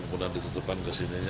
kemudian disutupkan ke sini